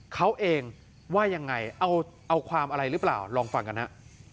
เขาเองว่ายังไงเอาความอะไรหรือเปล่าลองฟังกันฮะ